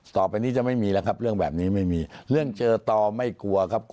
ต่อไปนี้จะไม่มีแล้วครับเรื่องแบบนี้ไม่มีเรื่องเจอต่อไม่กลัวครับ